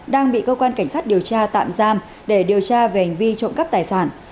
đang bị cơ quan cảnh sát điều tra tạm giam để điều tra về hành vi trộm cắp tài sản